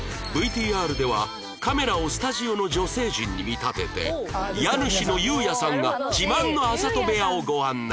ＶＴＲ ではカメラをスタジオの女性陣に見立てて家主の祐也さんが自慢のあざと部屋をご案内